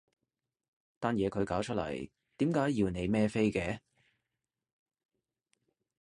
單嘢佢搞出嚟，點解要你孭飛嘅？